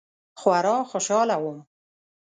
خورا خوشحاله وم.